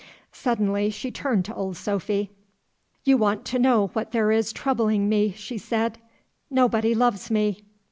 Suddenly she turned to Old Sophy. "You want to know what there is troubling me;" she said. "Nobody loves me.